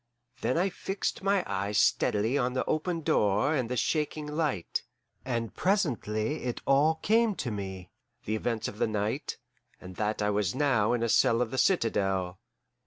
Then I fixed my eyes steadily on the open door and the shaking light, and presently it all came to me: the events of the night, and that I was now in a cell of the citadel.